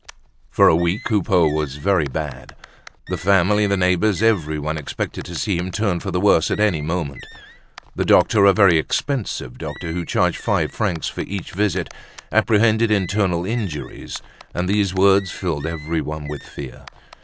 For a week Coupeau was very bad. The family, the neighbors, everyone, expected to see him turn for the worse at any moment. The doctor—a very expensive doctor, who charged five francs for each visit—apprehended internal injuries, and these words filled everyone with fear.